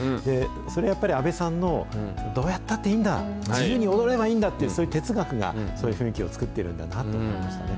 それはやっぱり阿部さんのどうやったっていいんだ、自由に踊ればいいんだっていう、そういう哲学が、そういう雰囲気を作っているんだなと思いましたね。